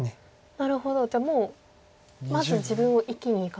なるほどじゃあもうまず自分を生きにいかなければ。